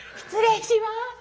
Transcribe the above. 失礼します。